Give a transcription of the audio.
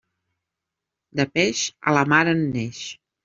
De peix, a la mar en neix.